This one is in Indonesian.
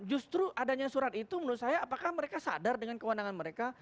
justru adanya surat itu menurut saya apakah mereka sadar dengan kewenangan mereka